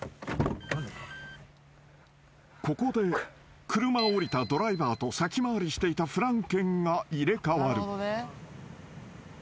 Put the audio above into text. ［ここで車を降りたドライバーと先回りしていたフランケンが入れ替わる］